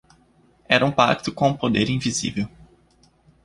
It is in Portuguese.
Era um pacto com o poder invisível.